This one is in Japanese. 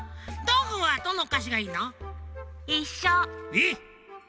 えっ！？